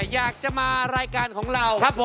อยากจะมารายการของเรา